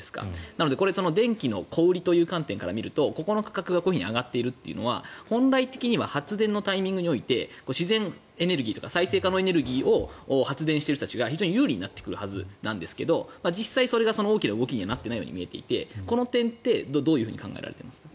なので、電気の小売りという観点から見るとここの区画がこういうふうに上がっているのは本来的には発電のタイミングにおいて自然エネルギーというか再生可能エネルギーを発電している人たちが非常に有利になっていくはずなんですが実際、それが大きな動きにはなっていないように見えていてこの点ってどういうふうに考えられてます？